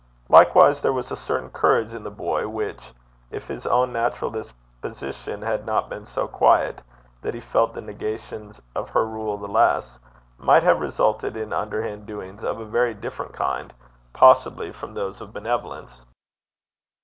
Likewise there was a certain courage in the boy which, if his own natural disposition had not been so quiet that he felt the negations of her rule the less, might have resulted in underhand doings of a very different kind, possibly, from those of benevolence.